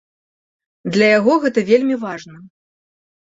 Для яго гэта вельмі важна.